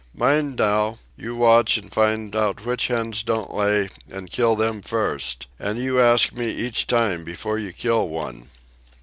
"Mind now, you watch and find out which hens don't lay, and kill them first. And you ask me each time before you kill one."